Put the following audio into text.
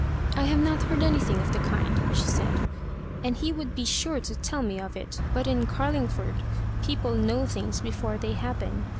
I have not heard of any thing of the kind,'^ she said, *' and he would be sure to tell me of it; but in Carlingford people know things before they happen.